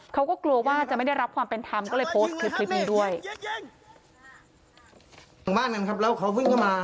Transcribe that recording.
เขากลัวจะไม่ได้รับความเป็นทำก็เลยโพสต์คลิปนี้ด้วย